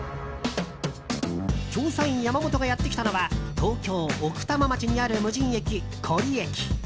調査員ヤマモトがやってきたのは東京・奥多摩町にある無人駅古里駅。